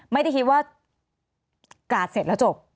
ไม่ได้คิดว่ากาดเสร็จแล้วจบ